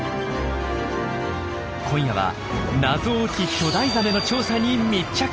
今夜は謎多き巨大ザメの調査に密着。